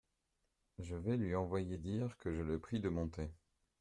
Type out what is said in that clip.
Je vais lui envoyer dire que je le prie de monter.